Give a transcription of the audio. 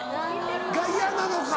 が嫌なのか。